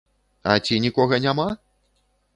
А ці нікога няма?